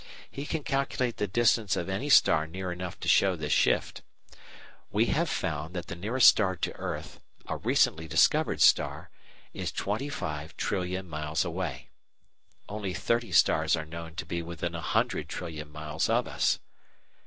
He can calculate the distance of any star near enough to show this "shift." We have found that the nearest star to the earth, a recently discovered star, is twenty five trillion miles away. Only thirty stars are known to be within a hundred trillion miles of us.